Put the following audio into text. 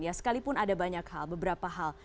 ya sekalipun ada banyak hal beberapa hal